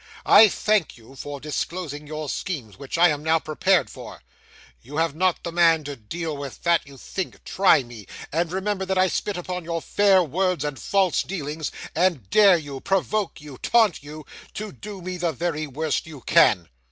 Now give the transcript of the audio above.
I thank you for disclosing your schemes, which I am now prepared for. You have not the man to deal with that you think; try me! and remember that I spit upon your fair words and false dealings, and dare you provoke you taunt you to do to me the very worst you can!